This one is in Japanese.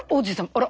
あら。